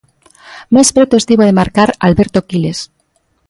Máis preto estivo de marcar Alberto Quiles.